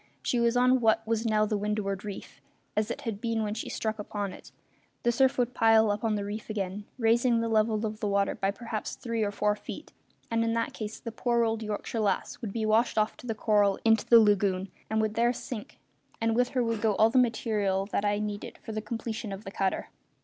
She was on what was now the windward reef as it had been when she struck upon it; the surf would pile up on the reef again, raising the level of the water by perhaps three or four feet, and in that case the poor old Yorkshire Lass would be washed off the coral into the lagoon, and would there sink. And with her would go all the material that I needed for the completion of the cutter.